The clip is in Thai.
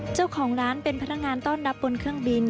เจ้าของร้านเป็นพนักงานต้อนรับบนเครื่องบิน